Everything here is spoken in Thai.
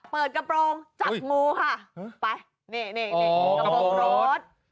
เปิดกระโปรงจับงูค่ะไปนี่นี่กระโปรงรถ